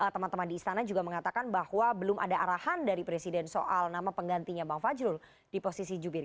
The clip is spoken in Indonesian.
teman teman di istana juga mengatakan bahwa belum ada arahan dari presiden soal nama penggantinya bang fajrul di posisi jubir